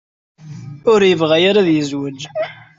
Ur yebɣi ara ad yezweǧ.